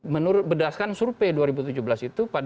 menurut berdasarkan survei dua ribu tujuh belas itu